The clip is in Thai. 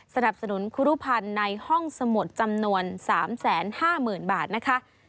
สนับสนุนครูรุภัณฑ์ในห้องสมุดจำนวน๓๕๐๐๐บาทนะคะ